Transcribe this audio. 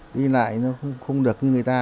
đi lại nó không được như người ta